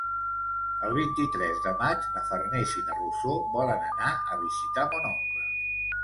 El vint-i-tres de maig na Farners i na Rosó volen anar a visitar mon oncle.